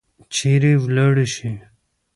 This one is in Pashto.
چیرې ولاړي شي؟